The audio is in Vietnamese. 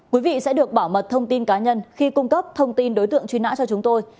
quý vị sẽ được bảo mật thông tin cá nhân khi cung cấp thông tin đối tượng truy nã cho chúng tôi